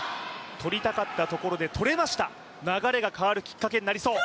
取りたかったところで取りました、流れが変わるきっかけになりそう。